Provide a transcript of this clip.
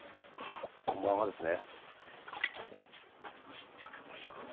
こんばんはですね。